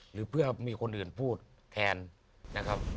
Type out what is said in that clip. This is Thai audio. หรือเพื่อมีคนอื่นพูดแทนนะครับ